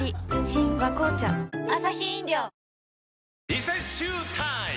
リセッシュータイム！